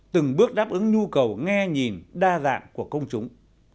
từng bước đáp ứng nhu cầu nghe nhìn đa dạng của công chúng